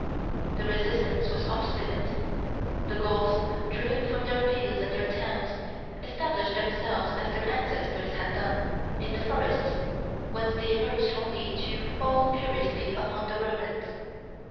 The resistance was obstinate. The Gauls, driven from their fields and their towns, established themselves, as their ancestors had done, in the forests, whence they emerged only to fall furiously upon the Romans.